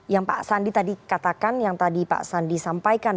yang pak sandi tadi katakan yang tadi pak sandi sampaikan